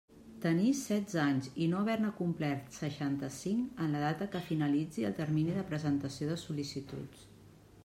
Tenir setze anys i no haver-ne complert seixanta-cinc en la data que finalitzi el termini de presentació de sol·licituds.